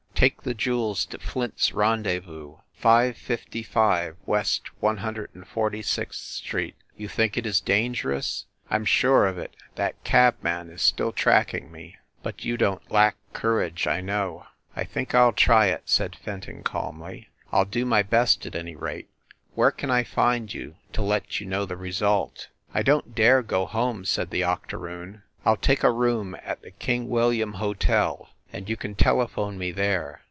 "Take the jewels to Flint s rendezvous, five fifty five West One Hundred and Forty sixth Street." "You think it is dangerous ?" "I m sure of it. That cabman is still tracking me. But you don t lack courage, I know." "I think I ll try it," said Fenton calmly. "I ll do my best, at any rate. Where can I find you to let you know the result?" "I don t dare go home," said the octoroon. "I ll take a room at the King William Hotel, and you can telephone me there.